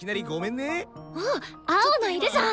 おっ青野いるじゃん。